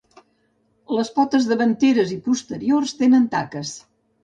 Les potes davanteres i posteriors tenen taques.